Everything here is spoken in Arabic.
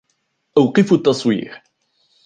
أوقفوا التصوير.